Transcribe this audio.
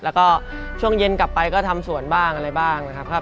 แล้วก็ช่วงเย็นกลับไปก็ทำสวนบ้างอะไรบ้างนะครับ